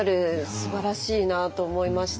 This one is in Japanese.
すばらしいなと思いました。